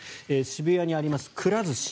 渋谷にあります、くら寿司。